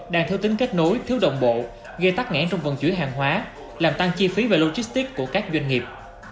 đang thiếu tính kết nối thiếu đồng bộ gây tắt ngãn trong vận chuyển hàng hóa làm tăng chi phí về logistic của các doanh nghiệp